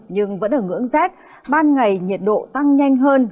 nhưng vẫn ở ngưỡng rét ban ngày nhiệt độ tăng nhanh hơn